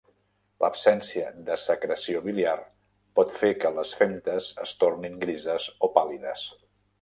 L'absència de secreció biliar pot fer que les femtes es tornin grises o pàl·lides.